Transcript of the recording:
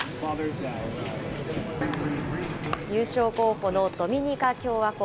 優勝候補のドミニカ共和国。